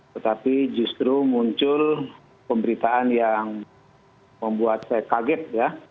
tetapi justru muncul pemberitaan yang membuat saya kaget ya